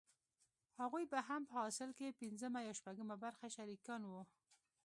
هغوې به هم په حاصل کښې پينځمه يا شپږمه برخه شريکان وو.